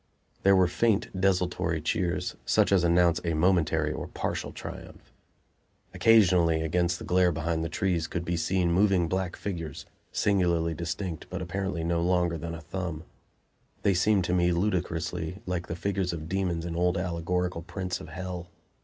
There were faint, desultory cheers, such as announce a momentary or partial triumph. Occasionally, against the glare behind the trees, could be seen moving black figures, singularly distinct but apparently no longer than a thumb. They seemed to me ludicrously like the figures of demons in old allegorical prints of hell.